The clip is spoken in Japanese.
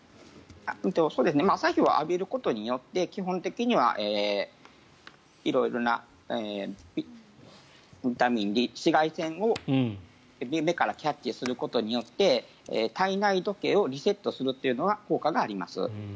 朝日を浴びることによって基本的には色々な紫外線を目からキャッチすることによって体内時計をリセットするというのは効果があります。